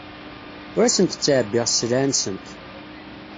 Ur asent-ttɛebbiɣ sselɛa-nsent.